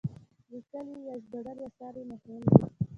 لیکلي یا ژباړلي اثار یې مهم دي.